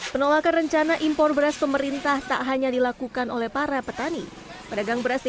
penolakan rencana impor beras pemerintah tak hanya dilakukan oleh para petani pedagang beras di